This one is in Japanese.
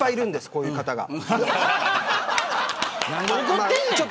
こういう方が。